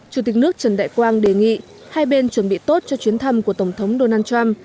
chủ tịch nước trần đại quang đề nghị hai bên chuẩn bị tốt cho chuyến thăm của tổng thống donald trump